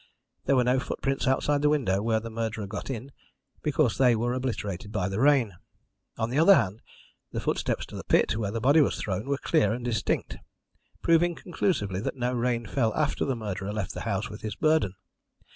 There were no footprints outside the window where the murderer got in, because they were obliterated by the rain. On the other hand, the footsteps to the pit where the body was thrown were clear and distinct, proving conclusively that no rain fell after the murderer left the house with his burden.